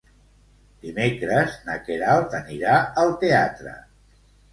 Dimecres na Queralt anirà al teatre.